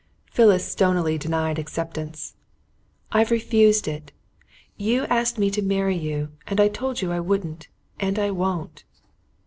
Phyllis stonily denied acceptance. "I've refused it. You've asked me to marry you and I told you I wouldn't. And I won't."